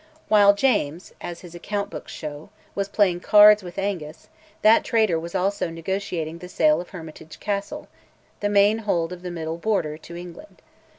While James, as his account books show, was playing cards with Angus, that traitor was also negotiating the sale of Hermitage Castle, the main hold of the Middle Border, to England.